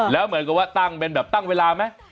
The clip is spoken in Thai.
แล้วเหมือนกับว่าตั้งเป็นแบบตั้งเวลาไหม